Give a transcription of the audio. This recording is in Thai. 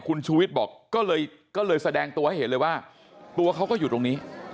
คุณชูวิทย์บอกก็เลยแสดงตัวให้เห็นเลยว่าตัวเขาก็อยู่ตรงนี้